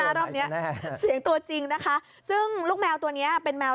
แน่แน่แน่แน่เสียงตัวจริงนะคะซึ่งลูกแมวตัวนี้เป็นแมว